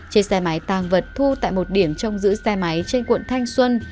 trên xe máy tàng vật thu tại một điểm trong giữ xe máy trên quận thanh xuân